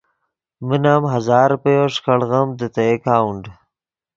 من ام ہزار روپیو ݰیکاڑیم دے تے اکاؤنٹ۔